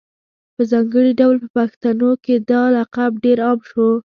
په ځانګړي ډول په پښتنو کي دا لقب ډېر عام شو